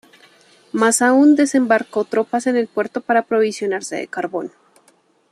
Más aun, desembarcó tropas en el puerto para aprovisionarse de carbón.